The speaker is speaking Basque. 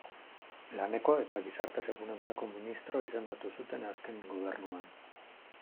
Laneko eta Gizarte Segurantzako ministro izendatu zuten azken gobernuan.